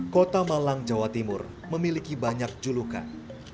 kota malang jawa timur memiliki banyak julukan